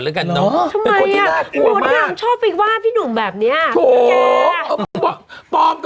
เอ้ยพบหิน